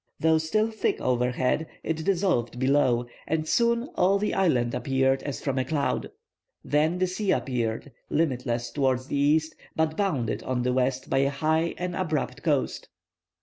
Though still thick overhead, it dissolved, below, and soon all the island appeared, as from a cloud. Then the sea appeared, limitless towards the east, but bounded on the west by a high and abrupt coast.